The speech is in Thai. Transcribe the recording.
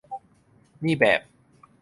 นี่แบบ